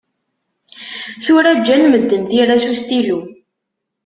Tura ǧǧan medden tira s ustilu.